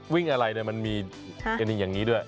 วิ่งอะไรเนี่ยมันมีอันนี้อย่างนี้ด้วย